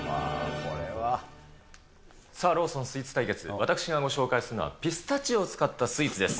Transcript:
さあ、ローソンスイーツ対決、私がご紹介するのは、ピスタチオを使ったスイーツです。